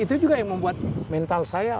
itu juga yang membuat mental saya